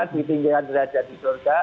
di tinggi derajat di surga